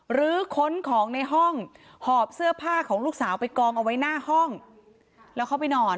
หรือค้นของในห้องหอบเสื้อผ้าของลูกสาวไปกองเอาไว้หน้าห้องแล้วเขาไปนอน